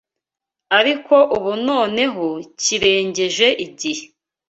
ariko ubu noneho kirengeje igihe